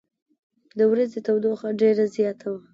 د ورځې تودوخه ډېره زیاته وه.